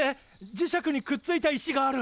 磁石にくっついた石がある！